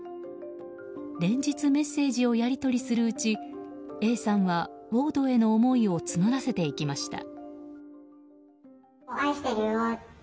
連日、メッセージをやり取りするうちＡさんはウォードへの思いを募らせていきました。